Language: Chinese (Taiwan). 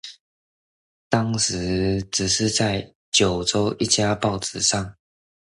當時只是在九州一家報紙上